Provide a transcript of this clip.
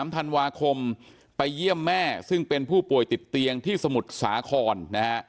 ๓ธันวาคมไปเยี่ยมแม่ซึ่งเป็นผู้ป่วยติดเตียงที่สมุทรสาครนะฮะ